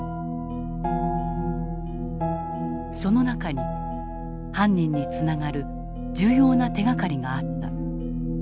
その中に犯人につながる重要な手がかりがあった。